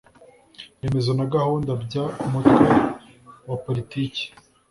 remezo na gahunda by umutwe wa politiki